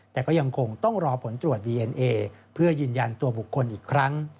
แต่ก็ยังคงต้องรอผลตรวจดีเอ็นเอเพื่อยืนยันตัวบุคคลอีกครั้ง